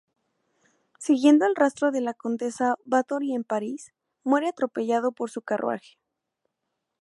Siguiendo el rastro de la condesa Báthory en París, muere atropellado por su carruaje.